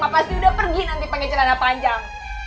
mah pasti udah pergi nanti pake celana panjang